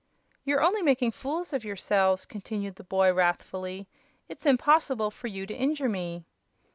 "You're only making fools of yourselves," continued the boy, wrathfully. "It's impossible for you to injure me."